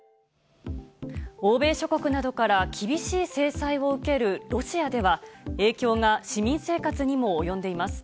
欧米諸国などから厳しい制裁を受けるロシアでは、影響が市民生活にも及んでいます。